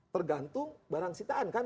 tergantung barang sitaan kan